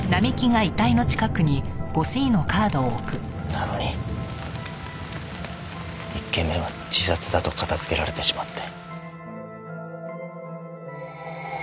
なのに１件目は自殺だと片付けられてしまって。